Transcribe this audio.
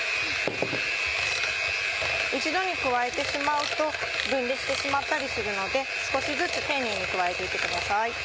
一度に加えてしまうと分離してしまったりするので少しずつ丁寧に加えて行ってください。